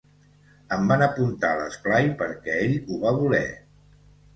Em van apuntar a l'esplai perquè ell ho va voler.